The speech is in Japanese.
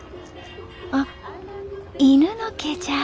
あっ犬の毛じゃあ。